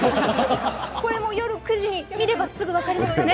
これも夜９時に見ればすぐ分かりますね。